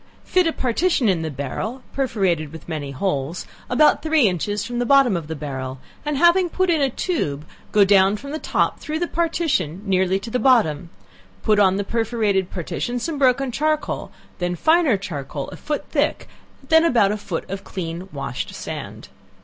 Fit a partition in the barrel, (perforated with many holes,) about three inches from the bottom of the barrel, and having put in a tube, to go down from the top through the partition nearly to the bottom, put on the perforated partition some broken charcoal, then finer charcoal a foot thick, then about a foot of clean washed sand.